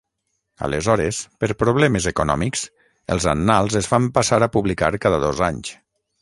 Aleshores, per problemes econòmics, els Annals es van passar a publicar cada dos anys.